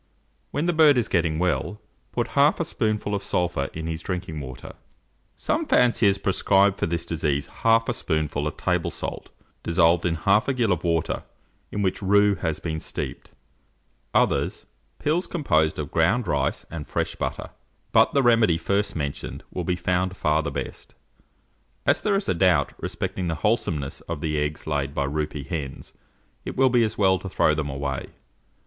When the bird is getting well, put half a spoonful of sulphur in his drinking water. Some fanciers prescribe for this disease half a spoonful of table salt, dissolved in half a gill of water, in which rue has been steeped; others, pills composed of ground rice and fresh butter: but the remedy first mentioned will be found far the best. As there is a doubt respecting the wholesomeness of the eggs laid by roupy hens, it will be as well to throw them away.